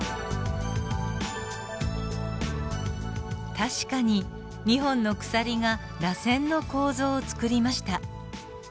確かに２本の鎖がらせんの構造を作りました。